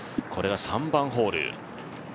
これは３番ホール。